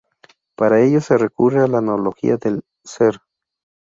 Para ello se recurre a la analogía del Ser.